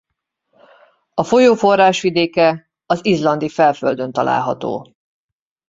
A folyó forrásvidéke az Izlandi-felföldön található.